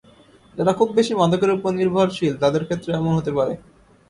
যারা খুব বেশি মাদকের ওপর নির্ভরশীল, তাদের ক্ষেত্রে এমন হতে পারে।